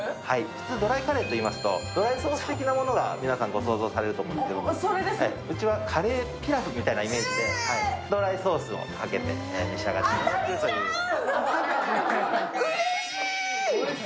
普通、ドライカレーといいますとドライソース的なものを想像されると思うんですけど、うちはカレーピラフみたいなイメージでドライソースをかけて召し上がっていただきます。